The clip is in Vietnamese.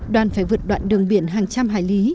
đoàn phải vượt đoạn đường biển hàng trăm hải lý